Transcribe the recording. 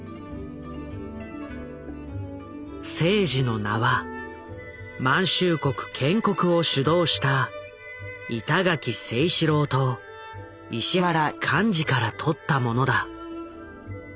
征爾の名は満州国建国を主導した板垣征四郎と石原莞爾からとったものだ。